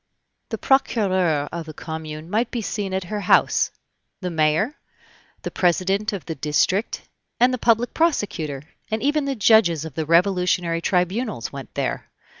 The procureur of the commune might be seen at her house, the mayor, the president of the "district," and the public prosecutor, and even the judges of the Revolutionary tribunals went there.